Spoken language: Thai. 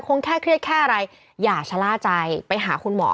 แค่เครียดแค่อะไรอย่าชะล่าใจไปหาคุณหมอ